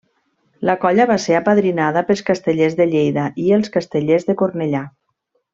La colla va ser apadrinada pels Castellers de Lleida i els Castellers de Cornellà.